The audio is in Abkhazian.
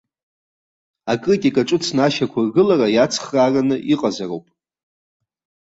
Акритика ҿыцны ашьақәыргылара иацхраараны иҟазароуп.